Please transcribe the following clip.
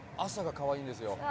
朝がかわいいんですよ。